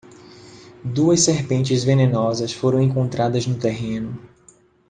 Duas serpentes venenosas foram encontradas no terreno